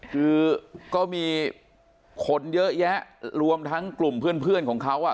คือก็มีคนเยอะแยะรวมทั้งกลุ่มเพื่อนของเขาอ่ะ